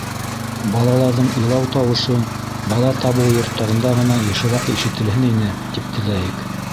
Балаларҙың илау тауышы бала табыу йорттарында ғына йышыраҡ ишетелһен ине, тип теләйек.